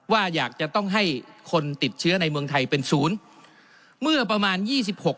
ว่าอยากจะต้องให้คนติดเชื้อในเมืองไทยเป็นศูนย์เมื่อประมาณยี่สิบหก